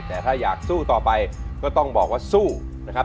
แต่ถ้าอยากสู้ต่อไปก็ต้องบอกว่าสู้นะครับ